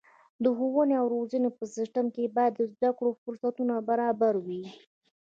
د ښوونې او روزنې په سیستم کې باید د زده کړو فرصتونه برابره وي.